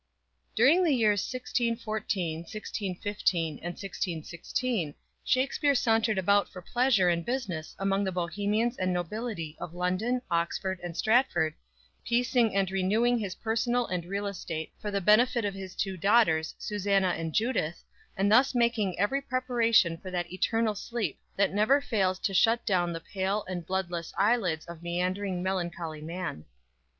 "_ During the years 1614, 1615 and 1616 Shakspere sauntered about for pleasure and business among the bohemians and nobility of London, Oxford and Stratford, piecing and renewing his personal and real estate for the benefit of his two daughters, Susannah and Judith, and thus making every preparation for that eternal sleep that never fails to shut down the pale and bloodless eyelids of meandering, melancholy man.